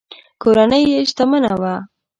کورنۍ یې شتمنه وه.